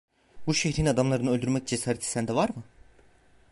Bir şehrin adamlarını öldürmek cesareti sende var mı?